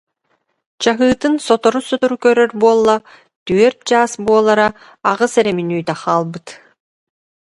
Чаһыытын сотору-сотору көрөр буолла, түөрт чаас буолара аҕыс эрэ мүнүүтэ хаалбыт